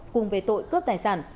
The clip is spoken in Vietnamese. cùng về tội cướp tài sản